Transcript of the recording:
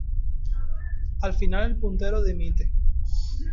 Al final el puntero dimite.